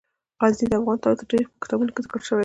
غزني د افغان تاریخ په کتابونو کې ذکر شوی دي.